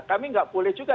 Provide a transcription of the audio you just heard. kami gak boleh juga